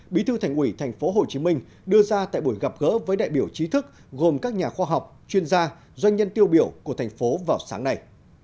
bí thư thành ủy thành phố hồ chí minh đưa ra tại buổi gặp gỡ với đại biểu trí thức gồm các nhà khoa học chuyên gia doanh nhân tiêu biểu của thành phố vào sáng nay